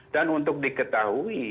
dan untuk diketahui